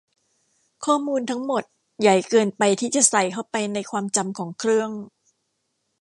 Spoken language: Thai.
ข้อมูลทั้งหมดใหญ่เกินไปที่จะใส่เข้าไปในความจำของเครื่อง